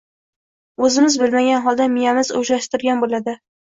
O’zimiz bilmagan holda miyamiz o’zlashtirgan bo’ladi.